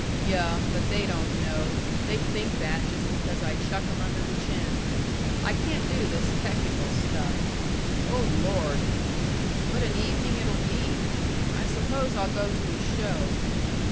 "Yuh but they don't know. They think that just because I chuck 'em under the chin. I can't do this technical stuff.... Oh, Lord! what an evening it'll be!... I suppose I'll go to a show.